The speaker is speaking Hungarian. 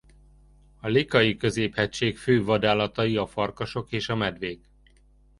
A Likai-középhegység fő vadállatai a farkasok és a medvék.